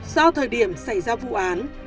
do thời điểm xảy ra vụ án